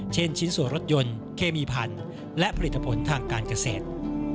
ชิ้นส่วนรถยนต์เคมีพันธุ์และผลิตผลทางการเกษตร